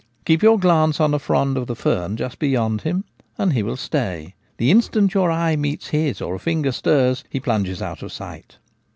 Keep your glance on a frond of the fern just beyond him, and he will stay. The instant your eye meets his or a finger stirs, he plunges out of sight.